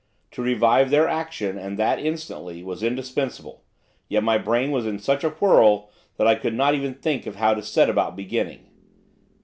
To revive their action, and that instantly, was indispensable. Yet my brain was in such a whirl that I could not even think of how to set about beginning.